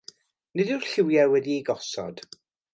Nid yw'r lliwiau wedi'u gosod.